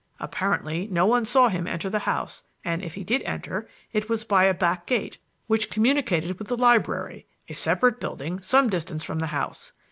Apparently no one saw him enter the house, and, if he did enter, it was by a back gate which communicated with the library a separate building some distance from the house.